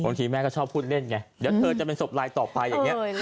ทีแม่ก็ชอบพูดเล่นไงเดี๋ยวเธอจะเป็นศพลายต่อไปอย่างนี้